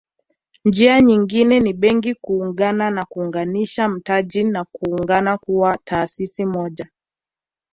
Njia nyingine ni Benki kuungana na kuunganisha mtaji na kuungana kuwa taasisi moja